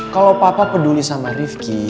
kalau papa peduli sama rifki